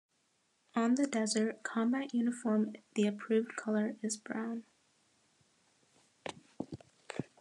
On the desert combat uniform the approved color is brown.